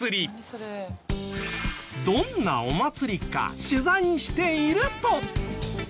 どんなお祭りか取材していると。